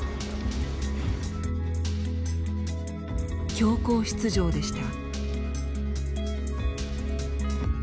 強行出場でした。